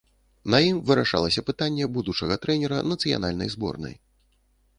На ім вырашалася пытанне будучага трэнера нацыянальнай зборнай.